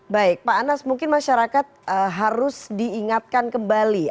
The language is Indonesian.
baik pak anas mungkin masyarakat harus diingatkan kembali